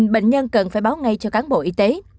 bệnh nhân cần phải báo ngay cho cán bộ y tế